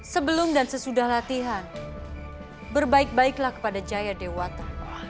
sebelum dan sesudah latihan berbaik baiklah kepada jaya dewata